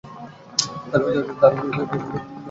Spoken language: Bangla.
তার পুরো পরিবার প্রতারক।